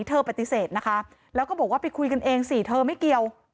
เธอปฏิเสธนะคะแล้วก็บอกว่าไปคุยกันเองสิเธอไม่เกี่ยว